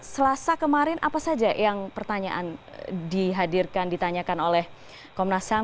selasa kemarin apa saja yang pertanyaan dihadirkan ditanyakan oleh komnas ham